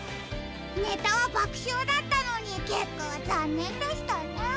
ネタはばくしょうだったのにけっかはざんねんでしたね。